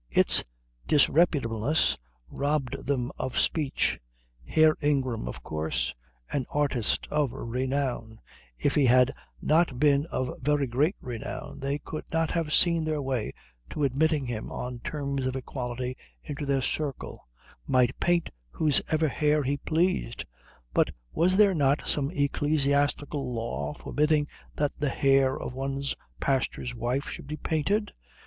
Its disreputableness robbed them of speech. Herr Ingram, of course, an artist of renown if he had not been of very great renown they could not have seen their way to admitting him on terms of equality into their circle might paint whoever's hair he pleased; but was there not some ecclesiastical law forbidding that the hair of one's pastor's wife should be painted?